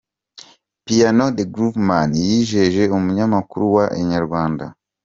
Piano The Grooveman yijeje umunyamakuru wa Inyarwanda.